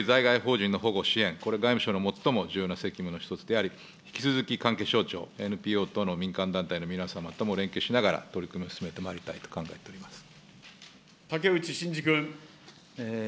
もとより在外邦人の保護支援、これは外務省の最も重要な責務の一つであり、引き続き関係省庁、ＮＰＯ等の民間団体の皆様とも連携しながら、取り組みを進めてまい竹内真二君。